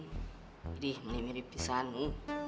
gede menimbiri pisahanmu